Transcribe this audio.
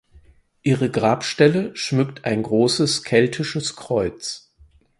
Ihre Grabstelle schmückt ein großes keltisches Kreuz.